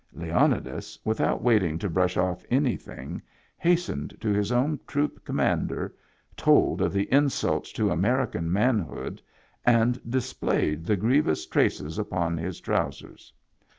Leonidas, without waiting to brush off anything, hastened to his own troop commander, told of the insult to American manhood and dis played the grievous traces upon his trousers.